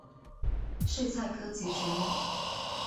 睡菜科及菊目。